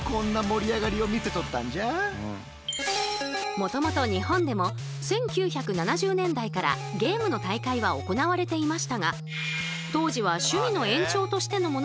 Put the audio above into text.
もともと日本でも１９７０年代からゲームの大会は行われていましたが当時は趣味の延長としてのものがほとんど。